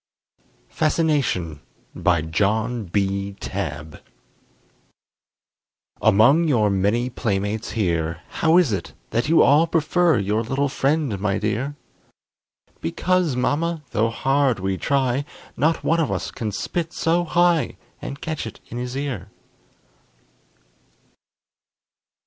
FASCINATION BY JOHN B. TABB Among your many playmates here, How is it that you all prefer Your little friend, my dear? "Because, mamma, tho' hard we try, Not one of us can spit so high, And catch it in his ear."